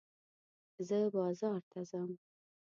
زه بازار ته ځم.